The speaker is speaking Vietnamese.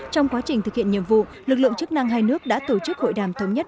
trong quá trình thực hiện nhiệm vụ lực lượng chức năng hai nước đã tổ chức hội đàm thống nhất